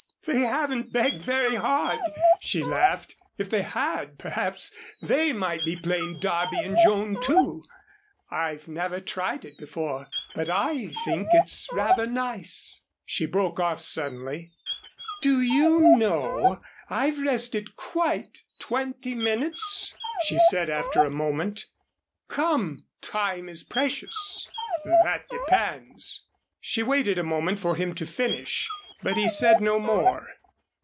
"They haven't begged very hard," she laughed. "If they had, perhaps they might be playing Darby and Joan, too. I've never tried it before. But I think it's rather nice " She broke off suddenly. "Do you know, I've rested quite twenty minutes," she said after a moment. "Come, time is precious." "That depends " She waited a moment for him to finish, but he said no more.